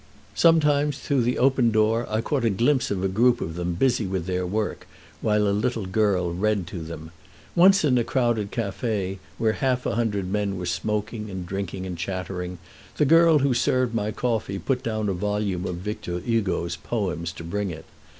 Sometimes through the open door I caught a glimpse of a group of them busy with their work, while a little girl read to them. Once in a crowded café, where half a hundred men were smoking and drinking and chattering, the girl who served my coffee put down a volume of Victor Hugo's poems to bring it.